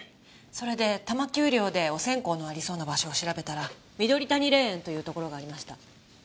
それで多摩丘陵でお線香のありそうな場所を調べたら緑谷霊園というところがありました。